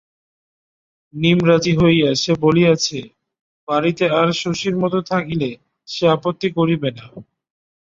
নিমরাজি হইয়া সে বলিয়াছে, বাড়িতে আর শশীর মত থাকিলে সে আপত্তি করিবে না।